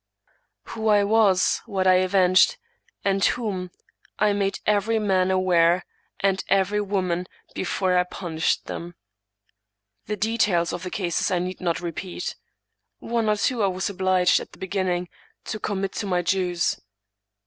Who I was, what I avenged, and whom, I made every man aware, and every woman, before I pun ished them. The details of the cases I need not repeat. One or two I was obliged, at the beginning, to commit to my Jews.